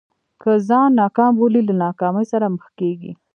که ځان ناکام بولې له ناکامۍ سره مخ کېږې.